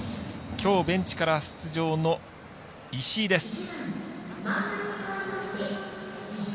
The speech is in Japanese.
きょうベンチから出場の石井です。